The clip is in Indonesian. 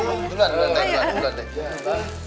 tuh dulu atuh